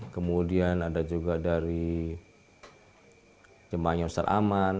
kemudian ada juga dari jemaahnya ustadz aman